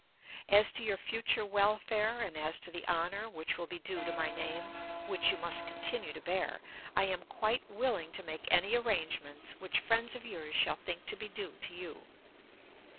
As to your future welfare, and as to the honour which will be due to my name, which you must continue to bear, I am quite willing to make any arrangements which friends of yours shall think to be due to you.